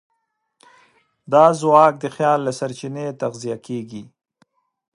دا ځواک د خیال له سرچینې تغذیه کېږي.